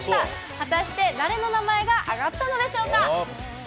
果たして誰の名前が上がったのでしょうか。